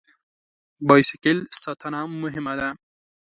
بایسکل ساتنه مهمه ده.